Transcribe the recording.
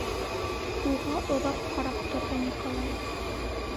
Уға оҙаҡ ҡарап торҙо Николай.